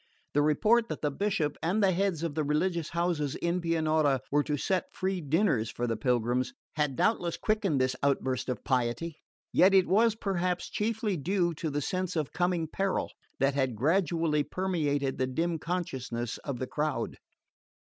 The report that the Bishop and the heads of the religious houses in Pianura were to set free suppers for the pilgrims had doubtless quickened this outburst of piety; yet it was perhaps chiefly due to the sense of coming peril that had gradually permeated the dim consciousness of the crowd.